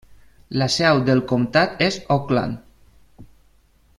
La seu del comtat és Oakland.